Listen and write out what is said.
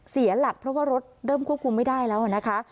เสียหลักเพราะว่ารถเริ่มควบคุมไม่ได้แล้วนะคะ